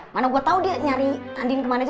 mana gue tau dia nyari andien kemana aja